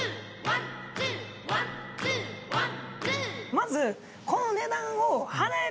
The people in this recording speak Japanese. まず。